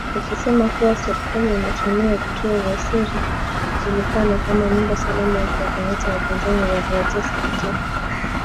ikisema kuwa serikali inatumia vituo vya siri vinavyojulikana kama nyumba salama kuwakamata wapinzani na kuwatesa mateka